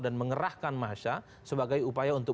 dan mengerahkan massa sebagai upaya untuk